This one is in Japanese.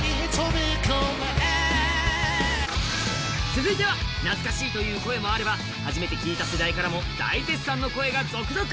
続いては、懐かしいという声もあれば初めて聞いた世代からも大絶賛の声が続々。